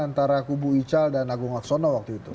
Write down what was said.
antara kubu ical dan agung laksono waktu itu